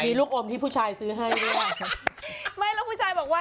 มีลูกอมที่ผู้ชายซื้อให้ด้วย